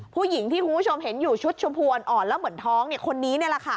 ผู้หญิงที่คุณผู้ชมเห็นอยู่ชุดชมพวนอ่อนแล้วเหมือนท้องคนนี้นี่แหละค่ะ